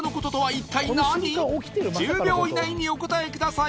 １０秒以内にお答えください